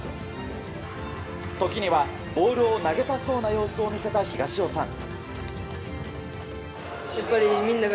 時には、ボールを投げたそうな様子を見せた東尾さん。